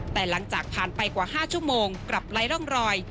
แต่หลังจากผ่านไปกว่า๕ชั่วโมงกลับไร้ร่องรอย